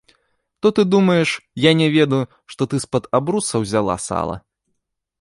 То ты думаеш, я не ведаю, што ты з-пад абруса ўзяла сала?